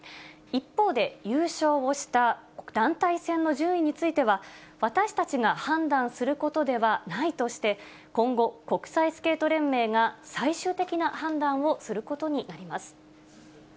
一方で、優勝をした団体戦の順位については、私たちが判断することではないとして、今後、国際スケート連盟が最終的な判断をすることになります。